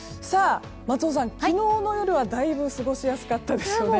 松尾さん、昨日の夜はだいぶ過ごしやすかったですよね。